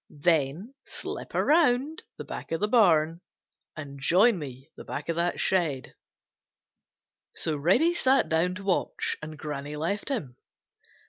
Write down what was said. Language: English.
Then slip around back of the barn and join me back of that shed." So Reddy sat down to watch, and Granny left him.